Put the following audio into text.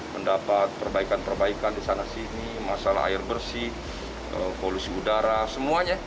mendapat perbaikan perbaikan di sana sini masalah air bersih polusi udara semuanya